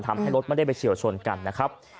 ทำให้รถไม่ได้ไปเฉียวชนกันนะครับ